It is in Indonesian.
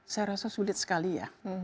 saya rasa sulit sekali ya